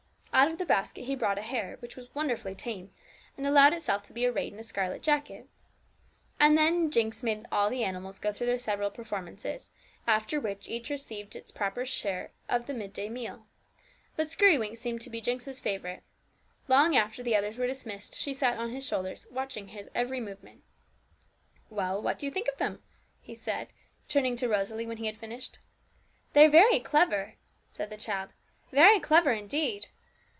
Out of the basket he brought a hare, which was wonderfully tame, and allowed itself to be arrayed in a scarlet jacket. And then Jinx made all the animals go through their several performances, after which each received his proper share of the mid day meal. But Skirrywinks seemed to be Jinx's favourite; long after the others were dismissed she sat on his shoulders, watching his every movement. 'Well, what do you think of them?' he said, turning to Rosalie when he had finished. 'They're very clever,' said the child 'very clever indeed!'